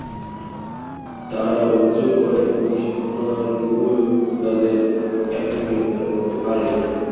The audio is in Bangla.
তাঁরা অভিযোগ করেন, পুলিশ ঘটনার মূল হোতাদের এখনো গ্রেপ্তার করতে পারেনি।